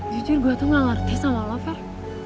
jujur gue tuh gak ngerti sama lo fer